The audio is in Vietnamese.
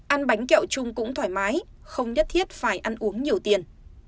ăn bánh kẹo chung cũng thoải mái không nhất thiết phải ăn uống nhiều tiền